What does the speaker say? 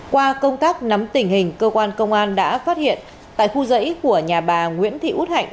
qua công tác nắm tình hình cơ quan công an đã phát hiện tại khu dãy của nhà bà nguyễn thị út hạnh